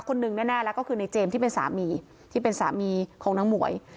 หนึ่งแน่แล้วก็คือในเจมส์ที่เป็นสามีที่เป็นสามีของนางหมวย